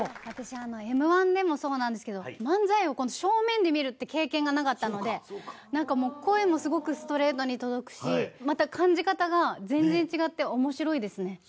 私Ｍ−１でもそうなんですけど漫才を正面で見るって経験がなかったので何か声もすごくストレートに届くしまた感じ方が全然違って面白いですね。